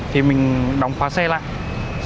thì mình đóng khóa xe lại